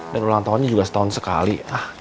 dan ulang tahunnya juga setahun sekali